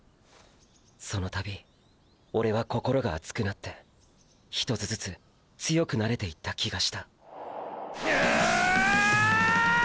その度オレは心が熱くなって一つずつ強くなれていった気がしたうおおおおおおっ！！